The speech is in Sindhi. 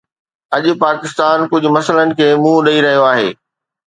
اڄ پاڪستان ڪجهه مسئلن کي منهن ڏئي رهيو آهي.